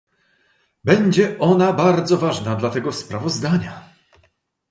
Będzie ona bardzo ważna dla tego sprawozdania